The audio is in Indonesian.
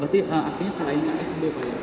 berarti artinya selain ksb pak ya